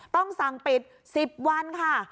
ต้องสั่งปิด๑๐วันค่ะ